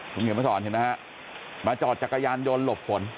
คุณเห็นประสอบเห็นมั้ยฮะมาจอดจักรยานยนต์หลบฝน